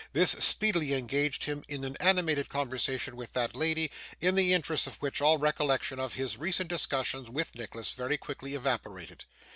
This speedily engaged him in an animated conversation with that lady, in the interest of which, all recollection of his recent discussion with Nicholas very quickly evaporated.